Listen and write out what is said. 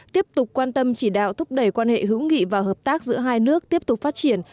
tiếp tục quan tâm chỉ đạo thúc đẩy quan hệ hữu nghị và hợp tác giữa hai nước tiếp tục phát triển